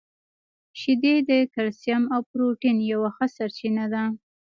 • شیدې د کلسیم او پروټین یوه ښه سرچینه ده.